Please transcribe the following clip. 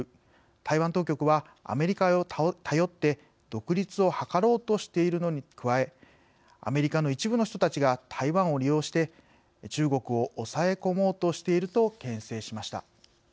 台湾当局はアメリカを頼って独立を図ろうとしているのに加えアメリカの一部の人たちが台湾を利用して中国を抑え込もうとしているとけん制しました。